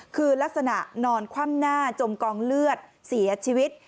คือลักษณะนอนคว่ำหน้าจมกองเลือดเสียชีวิต